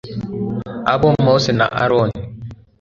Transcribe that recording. abo Mose na Aroni